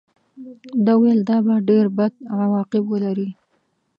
ده ویل دا به ډېر بد عواقب ولري.